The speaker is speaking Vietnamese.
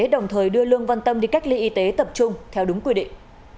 đồng thời đưa lương văn tâm đi cách ly y tế tập trung theo đúng quy định